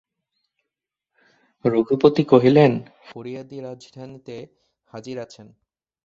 রঘুপতি কহিলেন, ফরিয়াদী রাজধানীতে হাজির আছেন।